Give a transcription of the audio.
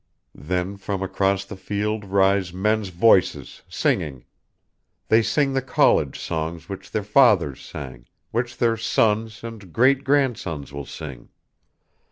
Then from across the field rise men's voices singing. They sing the college songs which their fathers sang, which their sons and great grandsons will sing.